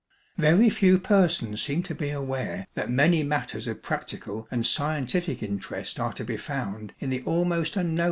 Very few persons seem to be aware that many matters of practical and scientific interest are to be found in the almost unknown art of change ringing.